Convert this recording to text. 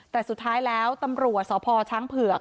แต่สุดท้ายแล้วตำรวจสพช้างเผือก